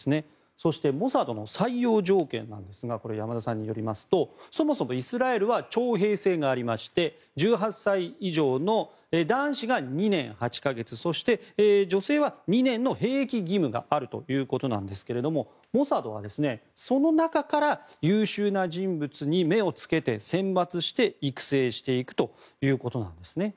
そしてモサドの採用条件なんですがこれ、山田さんによりますとそもそもイスラエルは徴兵制がありまして１８歳以上の男子が２年８か月そして、女性は２年の兵役義務があるということですがモサドは、その中から優秀な人物に目をつけて選抜して育成していくということなんですね。